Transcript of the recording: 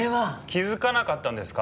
気づかなかったんですか？